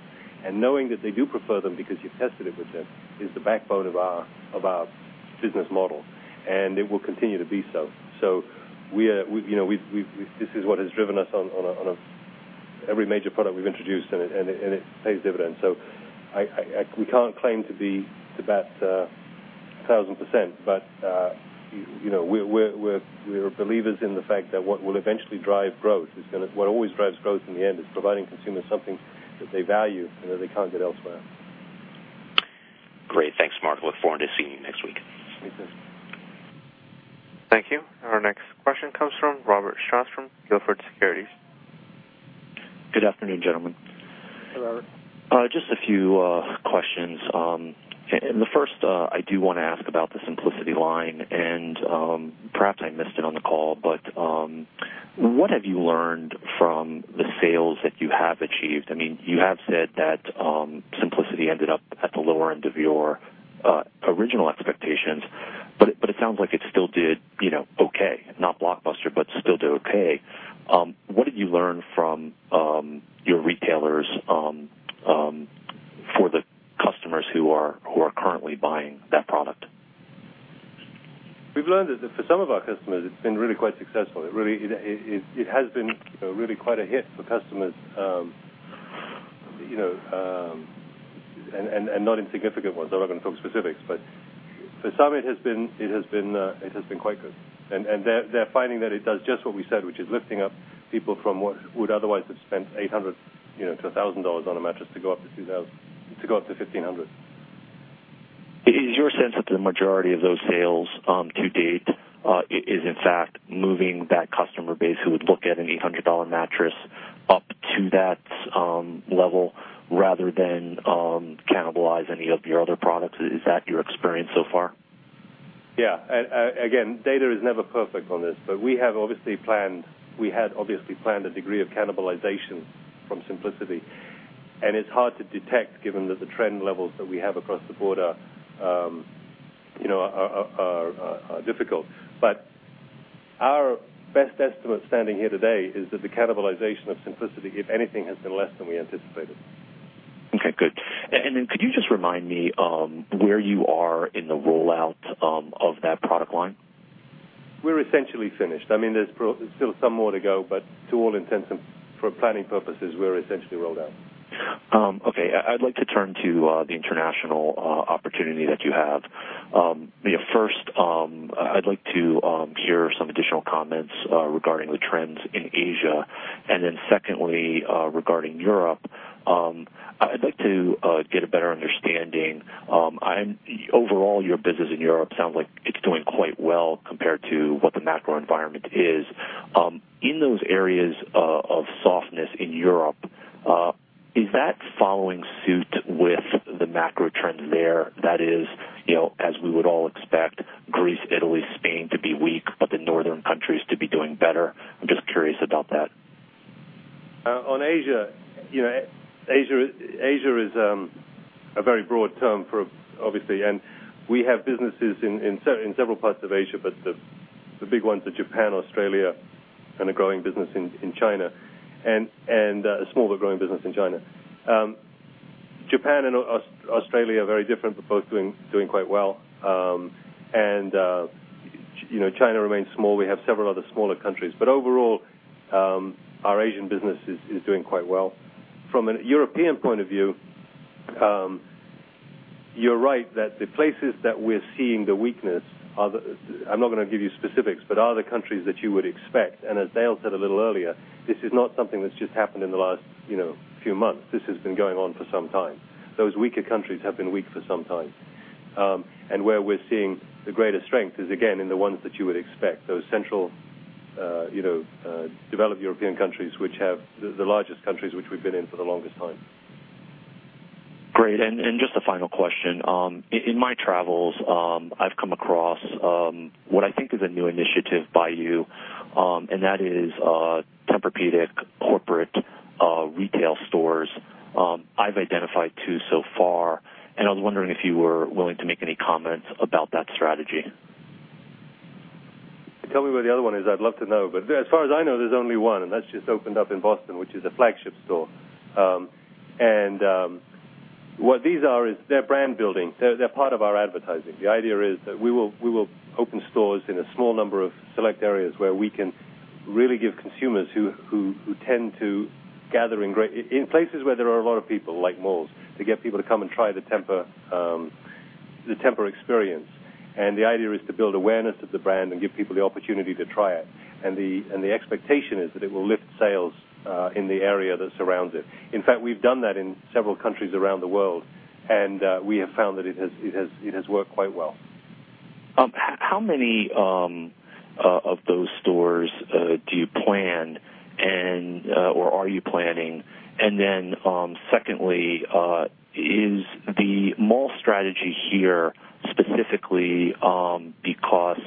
and knowing that they do prefer them because you've tested it with them is the backbone of our business model, it will continue to be so. This is what has driven us on every major product we've introduced, it pays dividends. We can't claim to bat 1,000%, but we're believers in the fact that what will eventually drive growth is What always drives growth in the end is providing consumers something that they value and that they can't get elsewhere.
Great. Thanks, Mark. Look forward to seeing you next week.
Me too.
Thank you. Our next question comes from Robert Sjostrom, Gilford Securities.
Good afternoon, gentlemen.
Hello.
Just a few questions. The first I do want to ask about the TEMPUR-Simplicity line, perhaps I missed it on the call, what have you learned from the sales that you have achieved? You have said that TEMPUR-Simplicity ended up at the lower end of your original expectations, it sounds like it still did okay, not blockbuster, but still did okay. What did you learn from your retailers for the customers who are currently buying that product?
We've learned that for some of our customers, it's been really quite successful. It has been really quite a hit for customers and not insignificant ones. I'm not going to talk specifics, but for some it has been quite good. They're finding that it does just what we said, which is lifting up people from what would otherwise have spent $800 to $1,000 on a mattress to go up to $1,500.
Is your sense that the majority of those sales to date is in fact moving that customer base who would look at an $800 mattress up to that level rather than cannibalize any of your other products? Is that your experience so far?
Yeah. Again, data is never perfect on this, we had obviously planned a degree of cannibalization from TEMPUR-Simplicity, it's hard to detect given that the trend levels that we have across the board are difficult. Our best estimate standing here today is that the cannibalization of TEMPUR-Simplicity, if anything, has been less than we anticipated.
Okay, good. Then could you just remind me where you are in the rollout of that product line?
We're essentially finished. There's still some more to go, but to all intents and for planning purposes, we're essentially rolled out.
Okay. I'd like to turn to the international opportunity that you have. First, I'd like to hear some additional comments regarding the trends in Asia, then secondly, regarding Europe. I'd like to get a better understanding. Overall, your business in Europe sounds like it's doing quite well compared to what the macro environment is. In those areas of softness in Europe, is that following suit with the macro trends there, that is, as we would all expect, Greece, Italy, Spain to be weak, but the northern countries to be doing better? I'm just curious about that.
On Asia. Asia is a very broad term, obviously. We have businesses in several parts of Asia, but the big ones are Japan, Australia, and a growing business in China, a small but growing business in China. Japan and Australia are very different, but both doing quite well. China remains small. We have several other smaller countries. Overall, our Asian business is doing quite well. From a European point of view, you're right that the places that we're seeing the weakness, I'm not going to give you specifics, but are the countries that you would expect. As Dale said a little earlier, this is not something that's just happened in the last few months. This has been going on for some time. Those weaker countries have been weak for some time. Where we're seeing the greatest strength is, again, in the ones that you would expect. Those central Developed European countries, the largest countries which we've been in for the longest time.
Great. Just a final question. In my travels, I've come across what I think is a new initiative by you, and that is Tempur-Pedic corporate retail stores. I've identified two so far, and I was wondering if you were willing to make any comments about that strategy?
Tell me where the other one is. I'd love to know, as far as I know, there's only one, and that's just opened up in Boston, which is a flagship store. What these are is they're brand building. They're part of our advertising. The idea is that we will open stores in a small number of select areas where we can really give consumers who tend to gather in places where there are a lot of people, like malls, to get people to come and try the Tempur experience. The idea is to build awareness of the brand and give people the opportunity to try it. The expectation is that it will lift sales in the area that surrounds it. In fact, we've done that in several countries around the world, and we have found that it has worked quite well.
How many of those stores do you plan or are you planning? Secondly, is the mall strategy here specifically because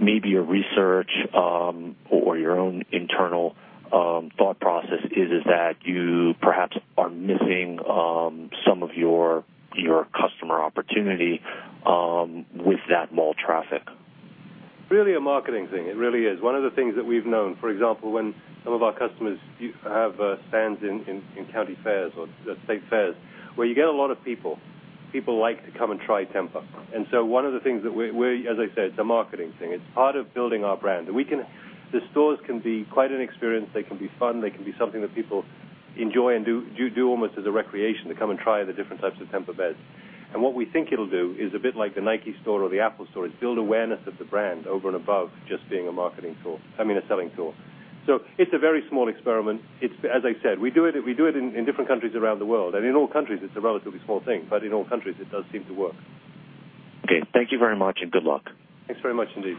maybe your research or your own internal thought process is that you perhaps are missing some of your customer opportunity with that mall traffic?
Really a marketing thing. It really is. One of the things that we've known, for example, when some of our customers have stands in county fairs or state fairs where you get a lot of people like to come and try Tempur. One of the things that we're, as I said, it's a marketing thing. It's part of building our brand. The stores can be quite an experience. They can be fun. They can be something that people enjoy and do almost as a recreation to come and try the different types of Tempur beds. What we think it'll do is a bit like the Nike store or the Apple store, is build awareness of the brand over and above just being a marketing tool, I mean a selling tool. It's a very small experiment. As I said, we do it in different countries around the world, and in all countries it's a relatively small thing, but in all countries it does seem to work.
Okay. Thank you very much and good luck.
Thanks very much indeed.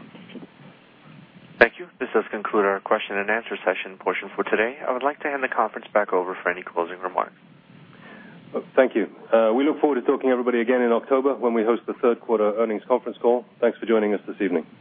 Thank you. This does conclude our question-and-answer session portion for today. I would like to hand the conference back over for any closing remarks.
Thank you. We look forward to talking to everybody again in October when we host the third quarter earnings conference call. Thanks for joining us this evening.